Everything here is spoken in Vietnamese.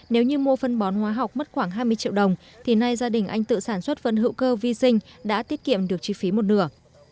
nếu như mua phân bón hóa học mất khoảng hai mươi triệu đồng thì nay gia đình anh tự sản xuất phân hữu cơ vi sinh đã tiết kiệm được chi phí một nửa